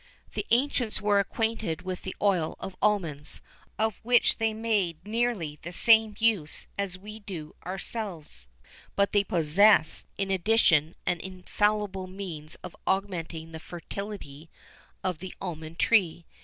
[XIV 6] The ancients were acquainted with the oil of almonds,[XIV 7] of which they made nearly the same use as we do ourselves; but they possessed, in addition, an infallible means of augmenting the fertility of the almond tree.